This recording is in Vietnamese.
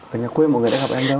ở nhà quê mọi người đã gặp em đâu